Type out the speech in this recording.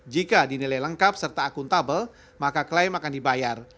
jika dinilai lengkap serta akuntabel maka klaim akan dibayar